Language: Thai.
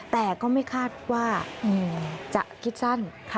แต่ก็ไม่คาดว่าจะคิดสั้น